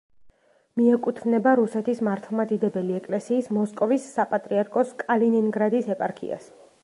მიეკუთვნება რუსეთის მართლმადიდებელი ეკლესიის მოსკოვის საპატრიარქოს კალინინგრადის ეპარქიას.